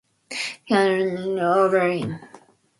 The elongated crater Henyey U is attached to the western outer rim.